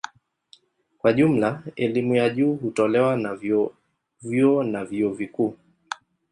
Kwa jumla elimu ya juu hutolewa na vyuo na vyuo vikuu.